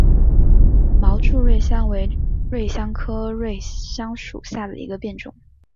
毛柱瑞香为瑞香科瑞香属下的一个变种。